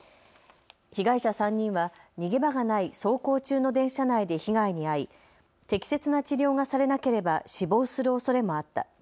被害者３人は逃げ場がない走行中の電車内で被害に遭い適切な治療がされなければ死亡するおそれもあった。